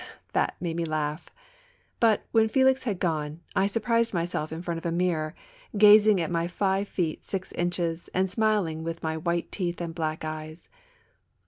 That made me laugh. But, when Felix had gone, I surprised myself in front of a mirror, gazing at my five feet, six inches and smiling with my white teeth and black eyes.